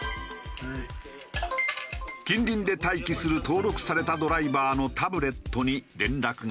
近隣で待機する登録されたドライバーのタブレットに連絡が入る。